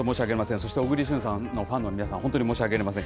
そして小栗旬さんのファンの皆さん、本当に申し訳ありません。